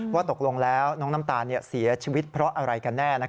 ว่าตกลงแล้วน้องน้ำตาลเสียชีวิตเพราะอะไรกันแน่